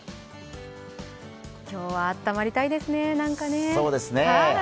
今日はあったまりたいですね。